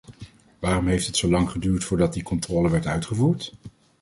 Waarom heeft het zo lang geduurd voordat die controle werd uitgevoerd?